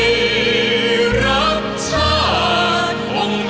ยอมอาสันก็พระปองเทศพองไทย